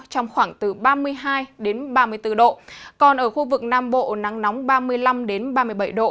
trong khoảng từ ba mươi hai ba mươi bốn độ còn ở khu vực nam bộ nắng nóng ba mươi năm ba mươi bảy độ